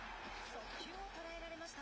速球を捉えられました。